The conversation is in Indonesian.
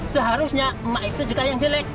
seharusnya mak itu juga yang jelek